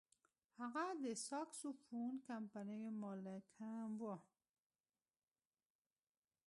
هغه د ساکسوفون کمپنیو مالک هم و.